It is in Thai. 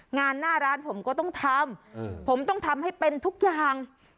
งานหน้าร้านผมก็ต้องทำผมต้องทำให้เป็นทุกอย่าง